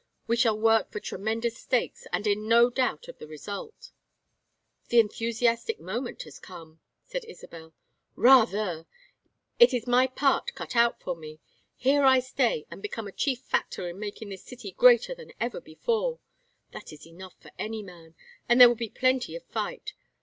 We shall work for tremendous stakes, and in no doubt of the result." "The enthusiastic moment has come," said Isabel. "Rather. Here is my part cut out for me. Here I stay and become a chief factor in making this city greater even than before. That is enough for any man. And there will be plenty of fight.